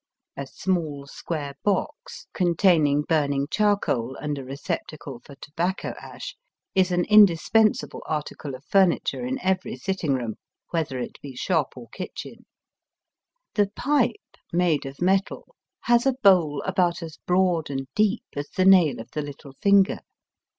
A small square box, containing burning charcoal an^ a receptacle for tobacco Digitized by VjOOQIC SOME JAPANESE TRAITS. 199 ash, is an indispensable article of furniture in every sitting room, whether it be shop or kitchen. The pipe, made of metal, has a bowl about as broad and deep as the nail of the little finger.